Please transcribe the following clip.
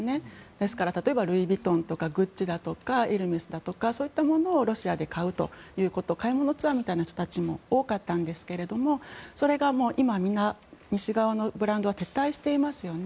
ですから例えばルイ・ヴィトンとかグッチだとかエルメスだとかそういったものをロシアで買うという買い物ツアーみたいな人たちも多かったんですがそれが今、みんな西側のブランドは撤退していますよね。